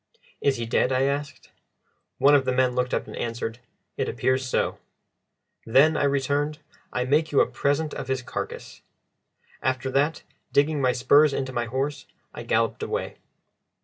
"Is he dead?" I asked. One of the men looked up and answered, "It appears so." "Then," I returned, "I make you a present of his carcass." After that, digging my spurs into my horse, I galloped away.